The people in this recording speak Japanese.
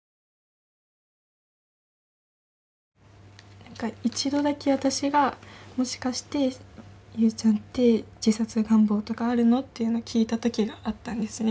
何か一度だけ私が「もしかして有ちゃんって自殺願望とかあるの？」っていうのを聞いた時があったんですね。